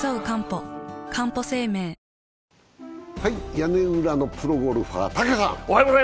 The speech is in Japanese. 屋根裏のプロゴルファー、タケさん。